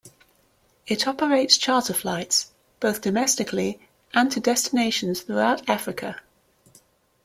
It operates charter flights both domestically and to destinations throughout Africa.